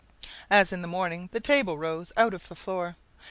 As in the morning, the table rose out of the floor.